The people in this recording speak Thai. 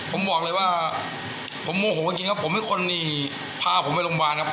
ผมบอกเลยว่าผมโมโหเมื่อกี้ครับผมให้คนนี่พาผมไปโรงพยาบาลครับ